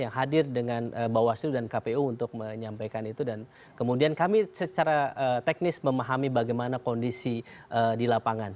yang hadir dengan bawaslu dan kpu untuk menyampaikan itu dan kemudian kami secara teknis memahami bagaimana kondisi di lapangan